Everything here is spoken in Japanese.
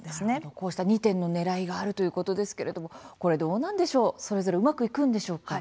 こうした２点のねらいがあるということですけれどもこれ、どうなんでしょうそれぞれうまくいくんでしょうか。